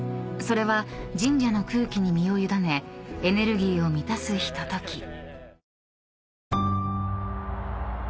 ［それは神社の空気に身を委ねエネルギーを満たすひととき］